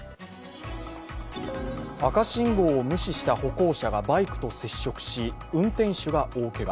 赤信号を無視した歩行者がバイクと接触し運転手が大けが。